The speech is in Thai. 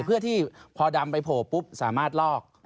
เพื่อที่พอดำไปโผล่ปุ๊บสามารถลอก